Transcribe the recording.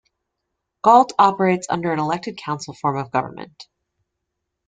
Galt operates under an elected council form of government.